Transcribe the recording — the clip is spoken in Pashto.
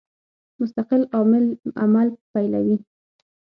مستقل عامل عمل پیلوي.